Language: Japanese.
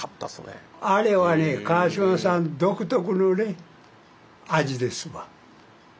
あれはね川島さん独特のね味ですわ。